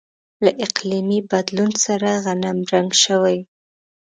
له اقلیمي بدلون سره غنمرنګ شوي.